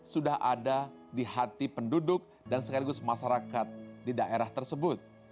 sudah ada di hati penduduk dan sekaligus masyarakat di daerah tersebut